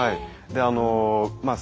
であのまあ